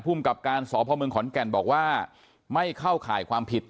กับการสพเมืองขอนแก่นบอกว่าไม่เข้าข่ายความผิด